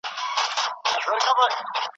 قاضي عبدالودود د څېړونکي د اخلاقو په اړه ویلي.